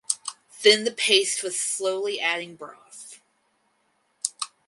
Thin the paste with slowly adding broth.